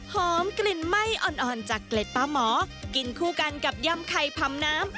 กลิ่นไหม้อ่อนจากเกล็ดปลาหมอกินคู่กันกับยำไข่พำน้ำ